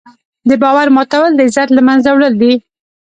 د باور ماتول د عزت له منځه وړل دي.